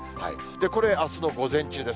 これ、あすの午前中です。